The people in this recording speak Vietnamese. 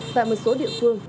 tại một số địa phương